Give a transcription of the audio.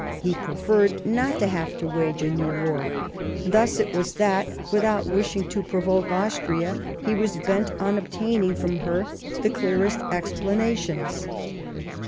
He preferred not to have to wage a new war. ... Thus it was that, without wishing to pro voke Austria, he was bent on obtaining from her the clearest explanations.